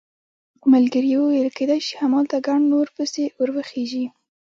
ملګري یې وویل کېدای شي همالته ګڼ نور پسې ور وخېژي.